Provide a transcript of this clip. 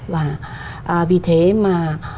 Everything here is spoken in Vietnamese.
vì thế mà